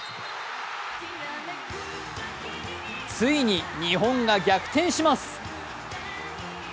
ついに日本が逆転します。